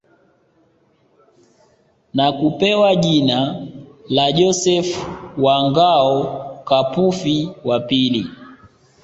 Na kupewa jina la Joseph wa Ngao Kapufi wa Pili